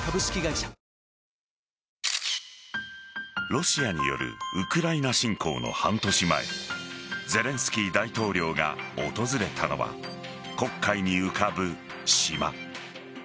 ロシアによるウクライナ侵攻の半年前ゼレンスキー大統領が訪れたのは黒海に浮かぶ島。